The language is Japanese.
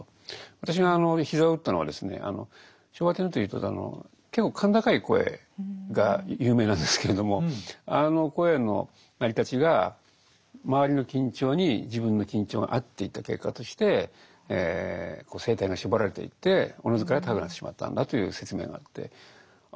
私が膝を打ったのはですね昭和天皇というと結構甲高い声が有名なんですけれどもあの声の成り立ちが周りの緊張に自分の緊張が合っていった結果として声帯が絞られていっておのずから高くなってしまったんだという説明があってああ